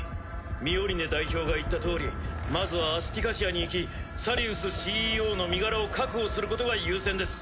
ミオリネ代表が言ったとおりまずはアスティカシアに行きサリウスＣＥＯの身柄を確保することが優先です。